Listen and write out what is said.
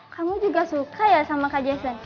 kamu juga suka ya sama kak jason